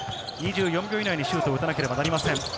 ２４秒以内にシュートを打たなければなりません。